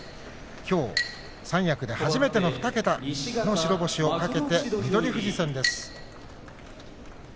きょう三役で初めての２桁の白星を懸けて翠富士戦です。